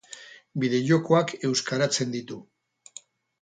Bideo-jokoak euskaratzen ditu.